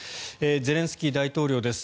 ゼレンスキー大統領です。